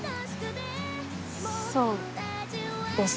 そうです